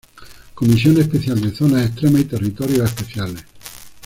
Comisión Especial de Zonas Extremas y Territorios Especiales.